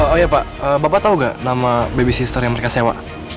oh iya pak bapak tahu gak nama babysistor yang mereka sewa